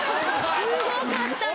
すごかったの。